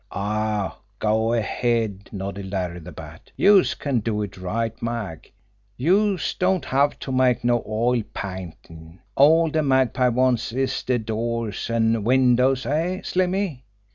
"Aw, go ahead!" nodded Larry the Bat. "Youse can do it right, Mag. Youse don't have to make no oil paintin'! All de Magpie wants is de doors an' windows, eh, Slimmy?"